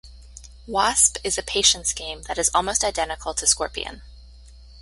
Wasp is a Patience game that is almost identical to Scorpion.